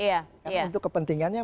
karena itu kepentingannya